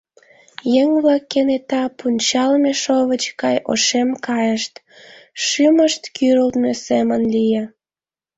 Еҥ-влак кенета пунчалме шовыч гай ошем кайышт, шӱмышт кӱрылтмӧ семын лие.